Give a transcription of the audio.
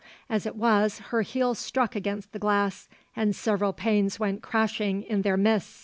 As it was, her heel struck against the glass, and several panes went crashing in their midst.